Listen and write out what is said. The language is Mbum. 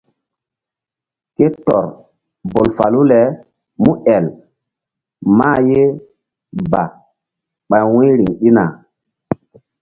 Ke tɔr bol falu le múel mah ye ba ɓa wu̧y riŋ ɗina.